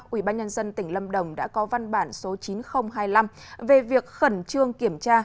ủy ban nhân dân tỉnh lâm đồng đã có văn bản số chín nghìn hai mươi năm về việc khẩn trương kiểm tra